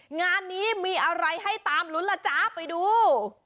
งานนี้มีอะไรให้ตามลุ้นล่ะจ๊ะไปดู